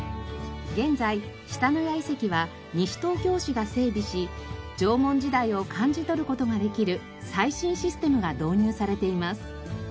現在下野谷遺跡は西東京市が整備し縄文時代を感じ取る事ができる最新システムが導入されています。